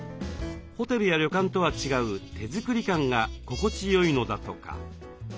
ホテルや旅館とは違う手作り感が心地よいのだとか。